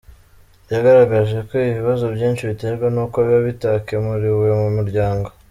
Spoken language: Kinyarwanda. Yagaragaje ko ibibazo byinshi biterwa n’uko biba bitakemuriwe mu muryango.